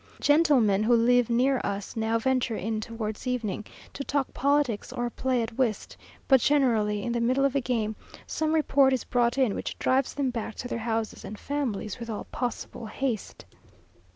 Gentlemen who live near us now venture in towards evening, to talk politics or play at whist; but generally, in the middle of a game, some report is brought in, which drives them back to their houses and families with all possible haste.